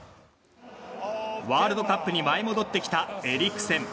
ワールドカップに舞い戻ってきたエリクセン。